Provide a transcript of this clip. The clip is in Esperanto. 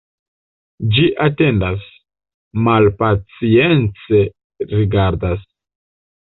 Ĝi atendas, malpacience rigardas.